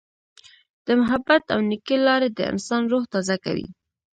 د محبت او نیکۍ لارې د انسان روح تازه کوي.